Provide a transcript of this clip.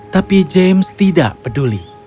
tapi james tidak peduli